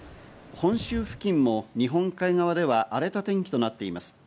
本州付近も日本海側では荒れた天気となっています。